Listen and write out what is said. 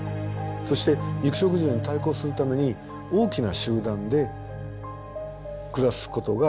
そして肉食獣に対抗するために大きな集団で暮らすことが必要になったんですね。